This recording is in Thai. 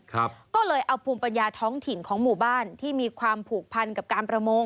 ก็เลยเอาภูมิปัญญาท้องถิ่นของหมู่บ้านที่มีความผูกพันกับการประมง